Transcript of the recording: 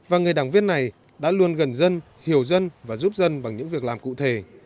và người đảng viên này đã luôn gần dân hiểu dân và giúp dân bằng những việc làm cụ thể